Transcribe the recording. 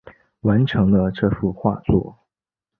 完成了这幅画作